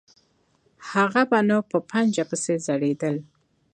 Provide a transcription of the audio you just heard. هغه به نو په پنجه پسې ځړېدل.